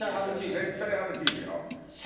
絶対ハム＆チーズだね。